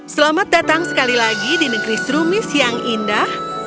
selamat datang sekali lagi di negeri serumis yang indah